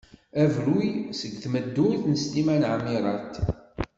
Abruy seg tmeddurt n Sliman Ɛmirat.